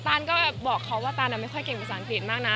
ตานก็บอกเขาว่าตานไม่ค่อยเก่งภาษาอังกฤษมากนะ